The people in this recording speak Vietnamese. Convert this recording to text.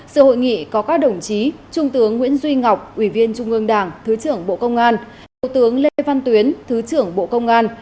sự hội nghị có các đồng chí trung tướng nguyễn duy ngọc ủy viên trung ương đảng thứ trưởng bộ công an thiếu tướng lê văn tuyến thứ trưởng bộ công an